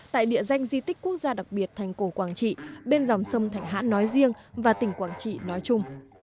tại địa danh di tích quốc gia đặc biệt thành cổ quảng trị bên dòng sông thạch hã nói riêng và tỉnh quảng trị nói chung